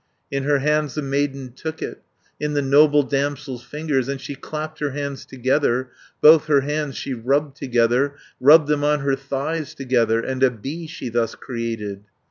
"In her hands the maiden took it, In the noble damsel's fingers, And she clapped her hands together, Both her hands she rubbed together, 340 Rubbed them on her thighs together, And a bee she thus created.